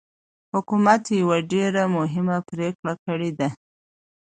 حکومت يوه ډېره مهمه پرېکړه کړې ده.